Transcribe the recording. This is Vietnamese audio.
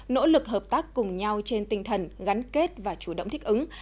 nỗ lực hợp tác cùng nhau trên tinh thần gắn kết và chủ động thích ứng